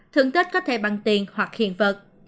thưởng tết có thể bằng tiền hoặc hiện vật